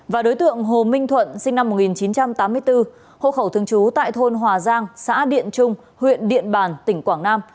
và đối tượng hồ minh thuận sinh năm một nghìn chín trăm tám mươi bốn hộ khẩu thường trú tại thôn hòa giang xã điện trung huyện điện bàn tỉnh quảng nam